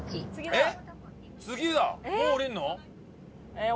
えっ？